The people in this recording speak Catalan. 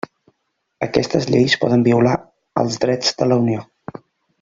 Aquestes lleis poden violar els drets de la Unió.